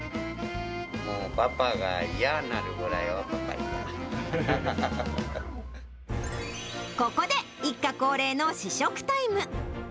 もう、パパが嫌になるぐらい、ここで一家恒例の試食タイム。